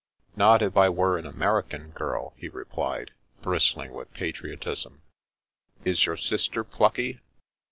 " Npt if I were an American girl," he replied, bristling with patriotism. " Is your sister plucky?